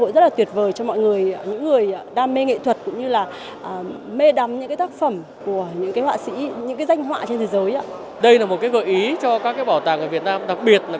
đặc biệt là các bảo tàng ở việt nam